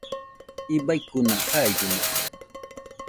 Ibaikuna jaidɨmakɨ